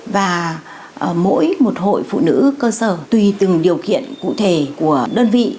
và mỗi một hội phụ nữ cơ sở tùy từng điều kiện cụ thể của đơn vị